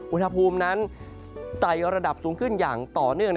อุณหภูมินั้นไต่ระดับสูงขึ้นอย่างต่อเนื่อง